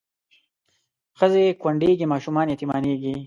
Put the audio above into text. ښځې کونډېږي ماشومان یتیمانېږي